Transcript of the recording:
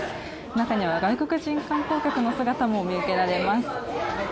中には外国人観光客の姿も見受けられます。